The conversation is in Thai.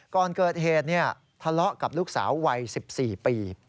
ก่อนเกิดเหตุทะเลาะกับลูกสาววัย๑๔ปี